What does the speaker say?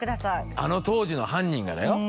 あの当時の犯人がだよ？